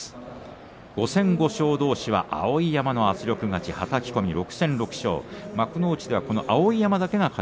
５戦５勝どうしは碧山の圧力勝ちはたき込み６戦６勝。